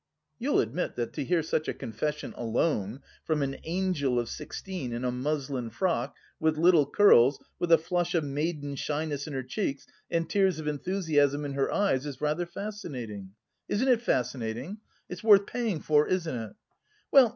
You'll admit that to hear such a confession, alone, from an angel of sixteen in a muslin frock, with little curls, with a flush of maiden shyness in her cheeks and tears of enthusiasm in her eyes is rather fascinating! Isn't it fascinating? It's worth paying for, isn't it? Well...